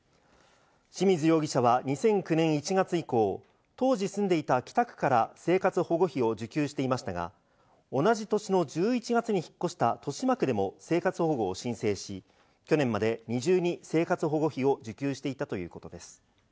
清水容疑者は２００９年１月以降、当時住んでいた北区から生活保護費を受給していましたが、同じ年の１１月に引っ越した豊島区でも生活保護を申請し、去年まで二重に生活保護費を受給していたということです。